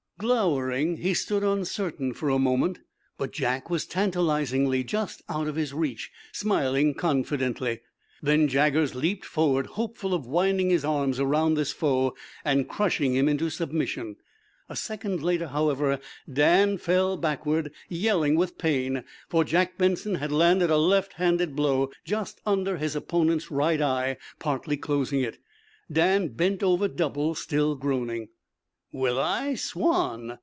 Glowering, he stood uncertain, for a moment, but Jack was tantalizingly just out of his reach, smiling confidently. Then Jaggers leaped forward, hopeful of winding his arms around this foe and crushing him into submission. A second later, however, Dan fell backward, yelling with pain, for Jack Benson had landed a left handed blow just under his opponent's right eye, partly closing it. Dan bent over double, still groaning. "Well, I swan!"